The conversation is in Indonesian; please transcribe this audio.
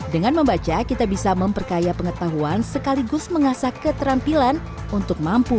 dengan membaca kita bisa memperkaya pengetahuan sekaligus mengasah keterampilan untuk mampu